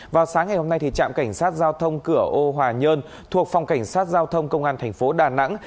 vào sáng ngày hôm nay trạm cảnh sát giao thông cửa ô hòa nhơn thuộc phòng cảnh sát giao thông công an thành phố đà nẵng